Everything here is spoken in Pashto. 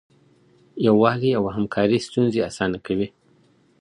یووالی او همکاري ستونزې اسانه کوي.